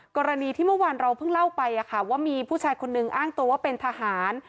กรณีที่เมื่อวานเราเพิ่งเล่าไปว่ามีผู้ชายคนนึงอ้างตัวว่าเป็นทหาร